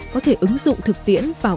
có thể ứng dụng thực tiễn vào